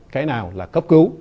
cái nào là cấp cứu